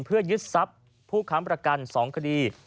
เพื่อยึดทรัพย์ผู้ค้ำประกัน๒คดี